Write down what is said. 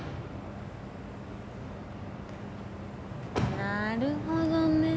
なるほどね。